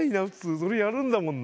それやるんだもんな。